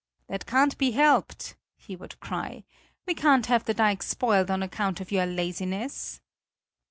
"That can't be helped!" he would cry; "we can't have the dike spoiled on account of your laziness!"